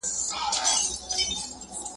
خاموشي له پخوا څخه ډېره بدله وه.